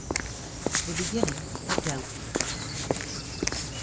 THE BEGINNING OF DOUBT.